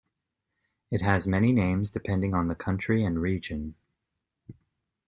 It has many names depending on the country and region.